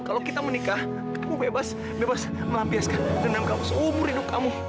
kalau kita menikah aku bebas bebas melampiaskan dan menangkap seumur hidup kamu